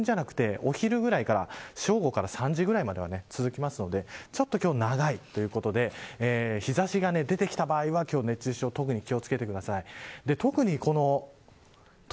３０度の時間が一瞬ではなくてお昼ぐらいから３時ぐらいまでは続きますのでちょっと今日は長いということで日差しが出てきた場合は今日は熱中症に特に気を付けてください。